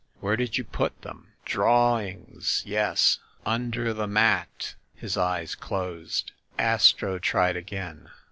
"Where did you put them . "Drawings! Yes. Un der the ‚ÄĒ mat ‚ÄĒ " His eyes closed. Astro tried again.